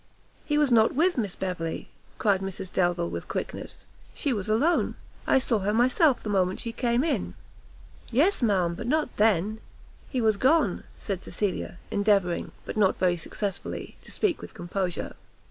"He was not with Miss Beverley," cried Mrs Delvile with quickness; "she was alone, I saw her myself the moment she came in." "Yes, ma'am, but not then, he was gone;" said Cecilia, endeavouring, but not very successfully, to speak with composure.